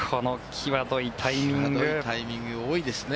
際どいタイミングが多いですね。